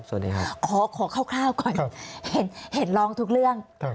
สวัสดีค่ะขอคร่าวก่อนเห็นร้องทุกเรื่อง